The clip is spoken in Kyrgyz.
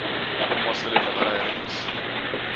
Бул маселени карай элекпиз.